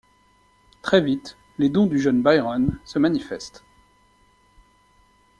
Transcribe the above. Très vite, les dons du jeune Byron, se manifestent.